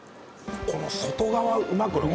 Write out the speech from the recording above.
この外側うまくない？